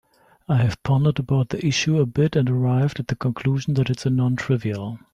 I have pondered about the issue a bit and arrived at the conclusion that it is non-trivial.